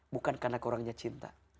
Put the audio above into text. bukan karena keurangnya cinta